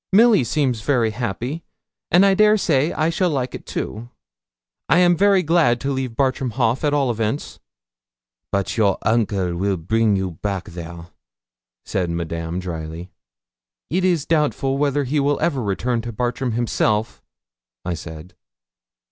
Milly seems very happy, and I dare say I shall like it too. I am very glad to leave Bartram Haugh, at all events.' 'But your uncle weel bring you back there,' said Madame, drily. 'It is doubtful whether he will ever return to Bartram himself,' I said.